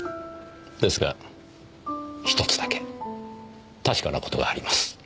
ですが１つだけ確かな事があります。